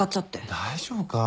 大丈夫か？